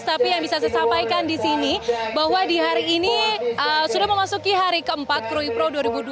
tapi yang bisa saya sampaikan di sini bahwa di hari ini sudah memasuki hari keempat kruid pro dua ribu dua puluh dua